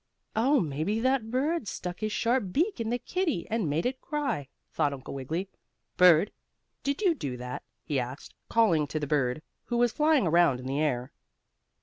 "Oh, maybe that bird stuck his sharp beak in the kittie and made it cry," thought Uncle Wiggily. "Bird, did you do that?" he asked, calling to the bird, who was flying around in the air.